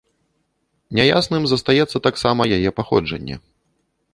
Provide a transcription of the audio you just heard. Няясным застаецца таксама яе паходжанне.